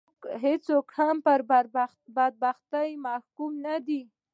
هېڅوک هم پر بدبختي محکوم نه دي.